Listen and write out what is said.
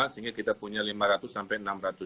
sehingga kita punya lima ratus sampai enam ratus